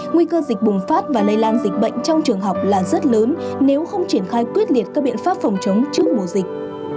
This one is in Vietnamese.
nguy cơ dịch bùng phát và lây lan dịch bệnh trong trường học là rất lớn nếu không triển khai quyết liệt các biện pháp phòng chống trước mùa dịch